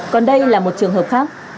còn đây là một trường hợp khác